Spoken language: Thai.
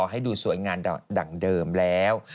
ให้ดูสวยงามดั่งเดิมแล้ว